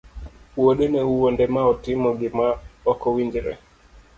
wuode ne owuonde ma otimo gima okowinjore.